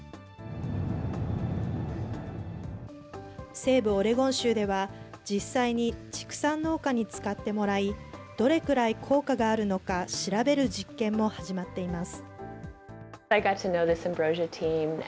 西部オレゴン州では、実際に畜産農家に使ってもらい、どれくらい効果があるのか調べる実験も始まっています。